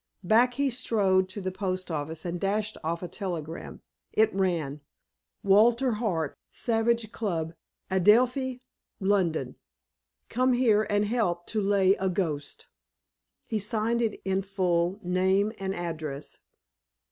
Back he strode to the post office and dashed off a telegram. It ran: "Walter Hart, Savage Club, Adelphi, London. Come here and help to lay a ghost." He signed it in full, name and address.